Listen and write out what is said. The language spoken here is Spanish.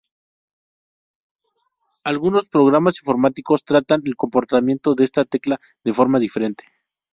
Algunos programas informáticos tratan el comportamiento de esta tecla de forma diferente.